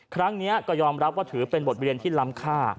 ครั้งนี้ก็ยอมรับว่าถือเป็นบทเรียนที่ล้ำค่า